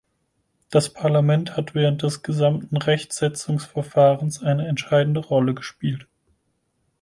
Das Parlament hat während des gesamten Rechtsetzungsverfahrens eine entscheidende Rolle gespielt.